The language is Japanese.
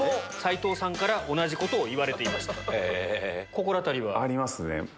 心当たりは？ありますね。